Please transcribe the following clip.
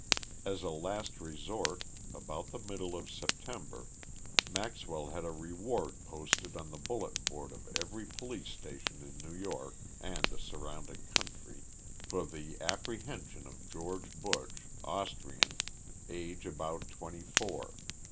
As a last resort, about the middle of September, Maxwell had a reward posted on the bulletin board of every police station in New York and the surrounding country for the "apprehension of George Buch, Austrian, age about twenty four.